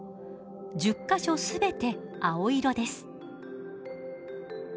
１０か所全て青色です。